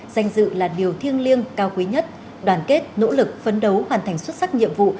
danh dự là điều thiêng liêng cao quý nhất đoàn kết nỗ lực phấn đấu hoàn thành xuất sắc nhiệm vụ